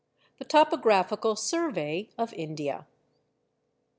_THE TOPOGRAPHICAL SURVEY OF INDIA.